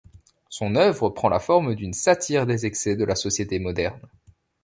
Son œuvre prend la forme d'une satire des excès de la société moderne.